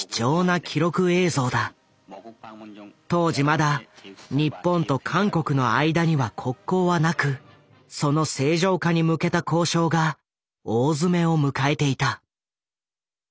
当時まだ日本と韓国の間には国交はなくその正常化に向けた交渉が大詰めを迎えていた。